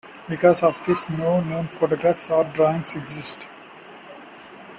Because of this, no known photographs or drawings exist.